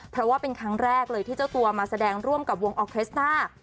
เพราะว่าเป็นครั้งแรกเลยที่เจ้าตัวมาแสดงร่วมกับวงออเครสต้า